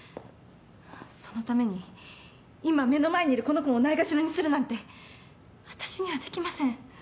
そのために今目の前にいるこの子をないがしろにするなんて私にはできません。